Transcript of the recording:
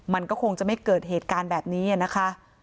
มันก็คงจะไม่เกิดเหตุการณ์แบบนี้นะคะ